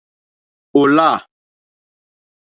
Ò lâ.